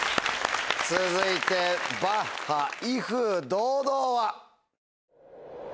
続いてバッハ『威風堂々』は。